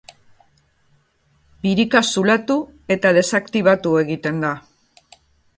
Birika zulatu, eta desaktibatu egiten da.